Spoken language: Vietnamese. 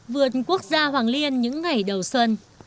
vườn quốc gia hoàng liên những ngày đầu xuân